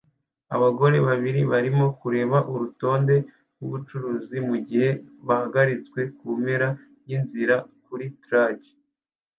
Abagore babiri barimo kureba urutonde rwubucuruzi mugihe bahagaritswe kumpera yinzira kuri Target